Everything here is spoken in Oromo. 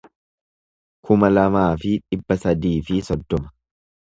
kuma lamaa fi dhibba sadii fi soddoma